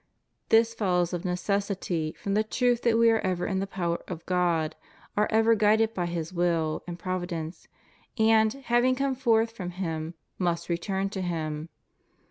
This follows of necessity from the truth that we are ever in the power of God, are ever guided by His will and provi dence, and, having come forth from Him, must return to Him.